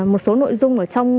một số nội dung ở trong